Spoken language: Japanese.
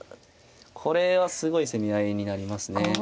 これはすごい攻め合いになりますね。